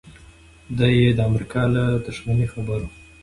دی یې د امریکا له دښمنۍ خبر و